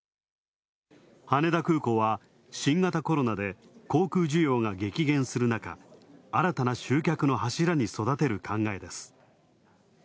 羽田空港は新型コロナで航空需要が激減する中、新たな集客の柱に育てる考えです。